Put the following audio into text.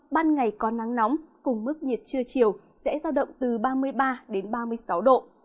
ban ngày có nắng nóng cùng mức nhiệt trưa chiều sẽ giao động từ ba mươi ba đến ba mươi sáu độ